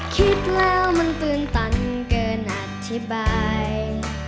คิดแล้วมันตื่นตันเกินอธิบาย